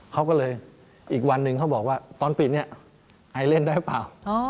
เขาก็เลยอีกวันหนึ่งเขาบอกว่าตอนปิดเนี่ยไอเล่นได้หรือเปล่า